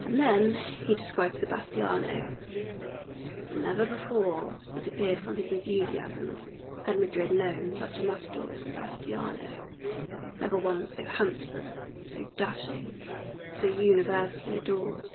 And then he described Sebastiano. Never before, it appeared from his enthusiasm, had Madrid known such a matador as Sebastiano. Never one so handsome, so dashing, so universally adored.